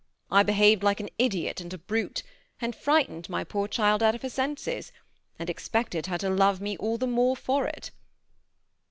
I behaved like an idiot and a brute, and frightened my poor child out of her senses, and expected her to love me all the more for it."